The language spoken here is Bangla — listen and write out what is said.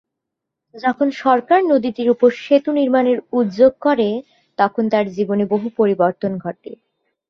যখন সরকার নদীটির উপর সেতু নির্মাণের উদ্যোগ করে, তখন তাঁর জীবনে বহু পরিবর্তন ঘটে।